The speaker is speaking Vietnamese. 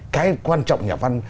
cái quan trọng nhà văn